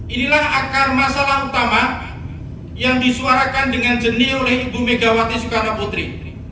inilah akar masalah utama yang disuarakan dengan jenih oleh ibu megawati soekarno putri